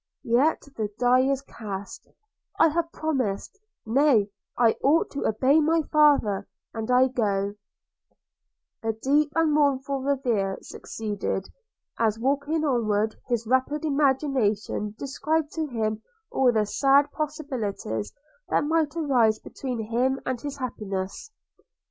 – Yet the die is cast: I have promised – nay, I ought to obey my father – and I go –' A deep and mournful reverie succeeded, as, walking onward, his rapid imagination described to him all the sad possibilities that might arise between him and his happiness.